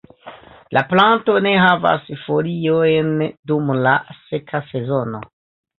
La planto ne havas foliojn dum la seka sezono.